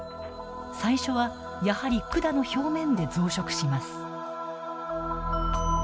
最初はやはり、管の表面で増殖します。